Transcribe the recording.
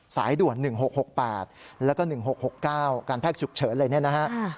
สายด่วน๑๖๖๘แล้วก็๑๖๖๙การแพทย์ฉุกเฉินอะไรเนี่ยนะฮะ